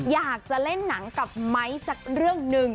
อยากจะเล่นหนังกับไมค์สักเรื่องหนึ่ง